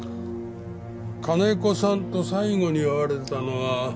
金子さんと最後に会われたのは？